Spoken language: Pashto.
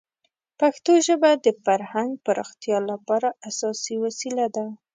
پښتو ژبه د فرهنګ پراختیا لپاره اساسي وسیله ده.